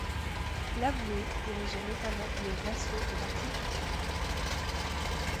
L'avoué dirigeait notamment les vassaux de l'institution.